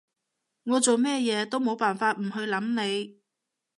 我做咩嘢都冇辦法唔去諗你